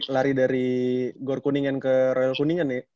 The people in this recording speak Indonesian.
lari dari gor kuningan ke royal kuningan ya